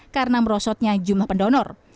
karena merosotnya jumlah pendonor